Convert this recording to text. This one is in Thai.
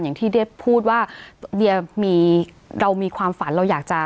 อย่างที่เดียพูดว่าเดียเรามีความฝันเราอยากจะ